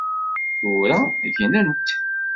Tura gnent.